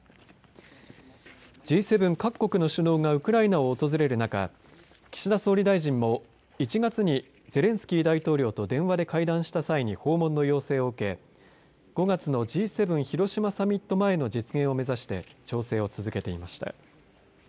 Ｇ７各国の首脳がウクライナを訪れる中岸田総理大臣も１月にゼレンスキー大統領と電話で会談した際に訪問の要請を受け５月のＧ７広島サミット前の実現を目指して調整を続けていました。